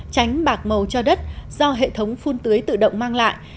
tránh bạc màu cho đất do hệ thống phun tưới tự động mang lại